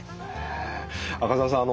赤澤さん